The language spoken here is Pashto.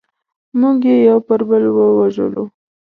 موږ یې یو پر بل ووژلو.